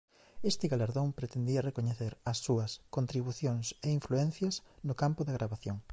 Este galardón pretendía recoñecer as súas "contribucións e influencias no campo da gravación".